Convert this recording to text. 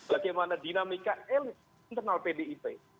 bagaimana dinamika elit internal pdip